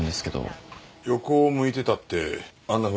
「横を向いてた」ってあんなふうにか？